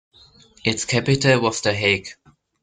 Its capital was The Hague.